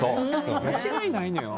間違いないのよ。